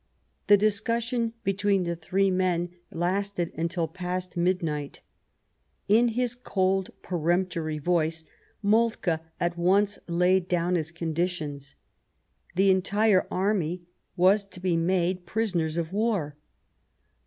The discussion between the three men lasted until past midnight. In his I cold, peremptory voice, Moltke at once laid down I his conditions: the entire army was to be made I prisoners of war.